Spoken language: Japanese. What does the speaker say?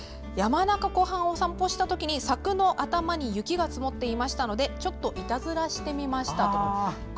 山中湖畔を散歩したときに柵の頭に雪が積もっていたのでちょっといたずらしてみましたと。